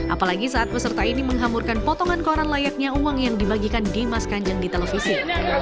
apalagi saat peserta ini menghamurkan potongan koran layaknya uang yang dibagikan dimas kanjeng di televisi